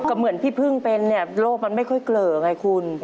ก็เหมือนพี่พึ่งเป็นเนี่ยโรคมันไม่ค่อยเกลอไงคุณ